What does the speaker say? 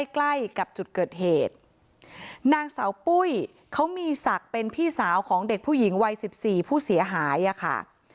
ใกล้กับจุดเกิดเหตุนางสาวปุ้ยเขามีศักดิ์เป็นพี่สาวของเด็กผู้หญิงวัย๑๔ผู้เสียหายอ่ะค่ะ